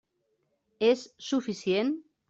És suficient?